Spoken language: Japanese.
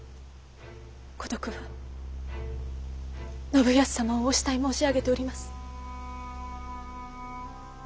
五徳は信康様をお慕い申し上げております。